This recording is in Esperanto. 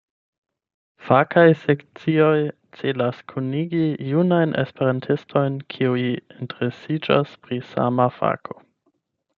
Fakaj sekcioj celas kunigi junajn Esperantistojn kiuj interesiĝas pri sama fako.